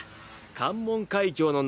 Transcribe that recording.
関門海峡の謎？